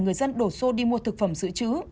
người dân đổ xô đi mua thực phẩm giữ chứ